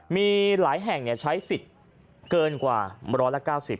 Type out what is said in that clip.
มีหลายแห่งใช้สิทธิ์เกินกว่า๑๙๐